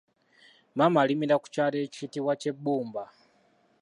Maama alimira ku kyalo ekiyitibwa Kyebbumba.